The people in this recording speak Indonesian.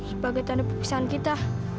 sebagai tanda pepisahan kita